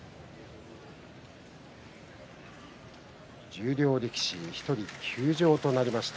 十両力士、１人休場となりました。